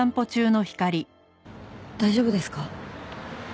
大丈夫ですか？